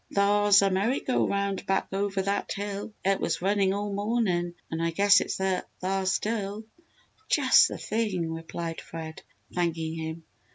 "Thar's a merry go round back over that hill it was runnin' all mornin' an' I guess it's thar still." "Just the thing!" replied Fred, thanking him.